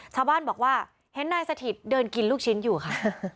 ชาวบ้านบอกว่าเห็นนายสถิตเดินกินลูกชิ้นอยู่ค่ะ